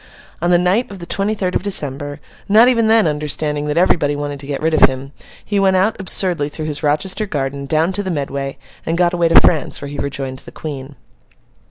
On the night of the twenty third of December, not even then understanding that everybody wanted to get rid of him, he went out, absurdly, through his Rochester garden, down to the Medway, and got away to France, where he rejoined the Queen.